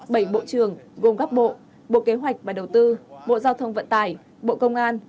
bảy bộ trưởng gồm các bộ bộ kế hoạch và đầu tư bộ giao thông vận tải bộ công an